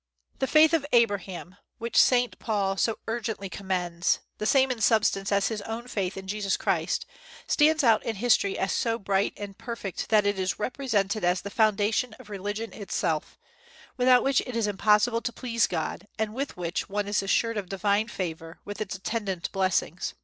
The faith of Abraham, which Saint Paul so urgently commends, the same in substance as his own faith in Jesus Christ, stands out in history as so bright and perfect that it is represented as the foundation of religion itself, without which it is impossible to please God, and with which one is assured of divine favor, with its attendant blessings.